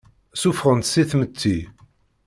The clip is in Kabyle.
Ssufɣen-t si tmetti.